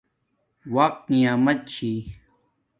وقت نعمت چھی